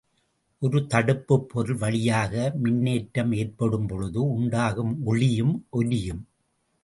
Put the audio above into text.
ஒரு தடுப்புப் பொருள் வழியாக மின்னேற்றம் ஏற்படும்பொழுது உண்டாகும் ஒளியும் ஒலியும்.